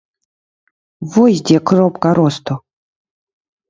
Вось дзе кропка росту!